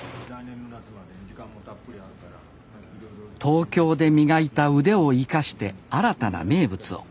東京で磨いた腕を生かして新たな名物を。